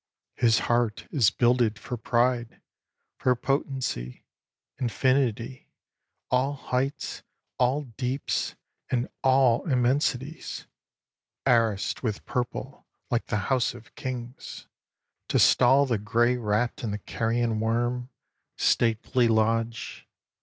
His heart is builded For pride, for potency, infinity, All heights, all deeps, and all immensities, Arrased with purple like the house of kings, To stall the grey rat, and the carrion worm Statelily lodge.